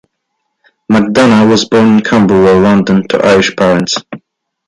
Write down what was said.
McDonagh was born in Camberwell, London to Irish parents.